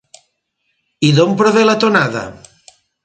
I d’on prové la tonada?